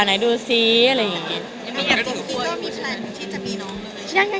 คุณก็มีแผนที่จะมีเนอะ